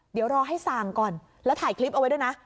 เดี๋ยวรอให้สั่งก่อนแล้วถ่ายคลิปเอาไว้ด้วยนะ